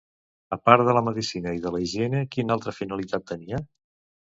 A part de la medicina i de la higiene, quina altra finalitat tenia?